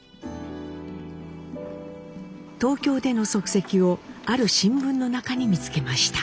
東京での足跡をある新聞の中に見つけました。